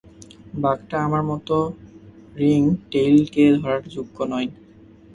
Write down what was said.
বাঘটা আমার মতো রিংটেইলকে ধরার যোগ্য নয়।